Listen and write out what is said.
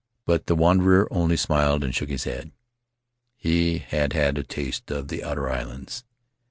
But the wanderer only smiled and shook his head — he had had a taste of the outer islands.